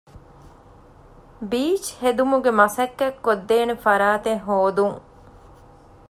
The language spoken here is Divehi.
ބީޗްހެދުމުގެ މަސައްކަތް ކޮށްދޭނެ ފަރާތެއް ހޯދުން